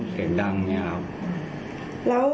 เสียงดังอย่างนี้ครับ